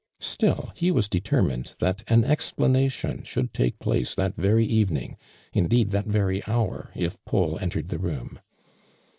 Still he was determined that an explanation should take place that very evening, indeed that very hour, if Paul entered the room.